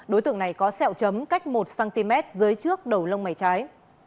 đối tượng này có xẹo chấm cách một cm dưới trước đầu lông mảy trái